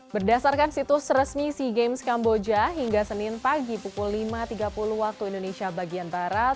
berdasarkan situs resmi sea games kamboja hingga senin pagi pukul lima tiga puluh waktu indonesia bagian barat